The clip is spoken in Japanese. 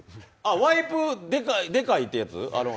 あっ、ワイプでかいってやつ？